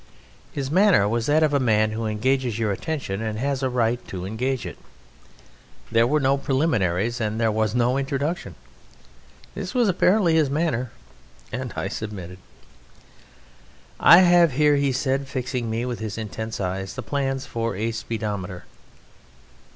His manner was that of a man who engages your attention and has a right to engage it. There were no preliminaries and there was no introduction. This was apparently his manner, and I submitted. "I have here," he said, fixing me with his intense eyes, "the plans for a speedometer."